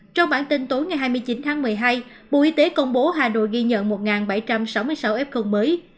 trong bản tin tối ngày hai mươi chín tháng một mươi hai bộ y tế công bố hà nội ghi nhận một bảy trăm sáu mươi sáu fcom mới